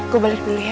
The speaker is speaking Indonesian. gue balik dulu ya